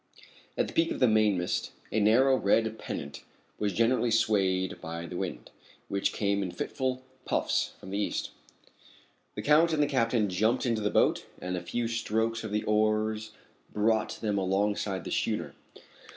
At the peak of the mainmast a narrow red pennant was gently swayed by the wind, which came in fitful puffs from the east. The Count and the captain jumped into the boat and a few strokes of the four oars brought them alongside of the schooner.